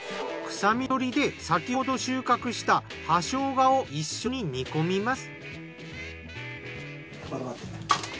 臭み取りで先ほど収穫した葉生姜を一緒に煮込みます。